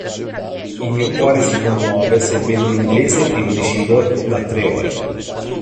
Il mio cuore si commuove se vedo un inglese privo di cibo da tre ore.